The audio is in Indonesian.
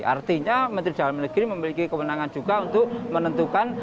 artinya kementerian dalam negeri memiliki kemenangan juga untuk menentukan